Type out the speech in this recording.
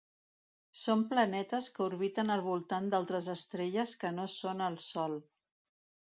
Són planetes que orbiten al voltant d'altres estrelles que no són el Sol.